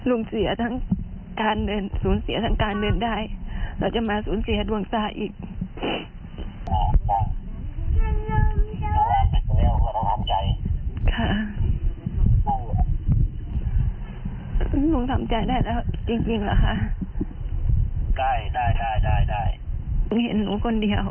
โอ้โฮเพราะหนูไม่เห็นลูก